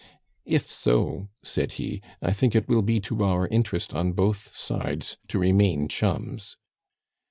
"If so," said he, "I think it will be to our interest on both sides to remain chums."